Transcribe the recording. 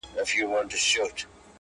o د مېړه زوى ږغ په اوڼي کي لا معلومېږى٫